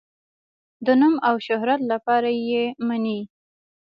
د نوم او شهرت لپاره یې مني.